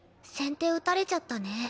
先手打たれちゃったね。